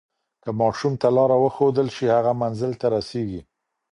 که ماشوم ته لاره وښودل شي، هغه منزل ته رسیږي.